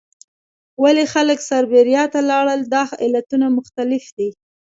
ولې خلک سابیریا ته لاړل؟ دا علتونه مختلف دي.